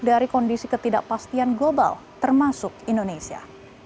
dari kondisi ketidakpastian global termasuk indonesia